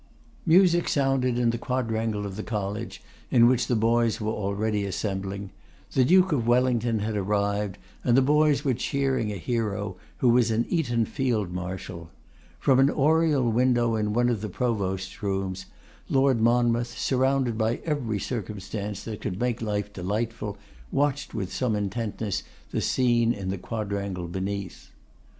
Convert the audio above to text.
Music sounded in the quadrangle of the College, in which the boys were already quickly assembling. The Duke of Wellington had arrived, and the boys were cheering a hero, who was an Eton field marshal. From an oriel window in one of the Provost's rooms, Lord Monmouth, surrounded by every circumstance that could make life delightful, watched with some intentness the scene in the quadrangle beneath.